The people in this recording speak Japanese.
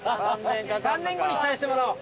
３年後に期待してもらおう。